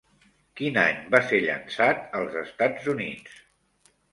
Quin any va ser llançat als Estats Units?